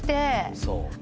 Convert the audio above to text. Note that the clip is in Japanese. そう。